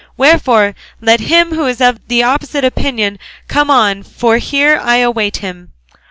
Wherefore, let him who is of the opposite opinion come on, for here I await him."